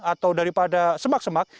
atau daripada semak semak